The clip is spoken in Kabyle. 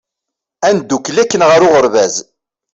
Ad ndukkel akken ɣer uɣeṛbaz!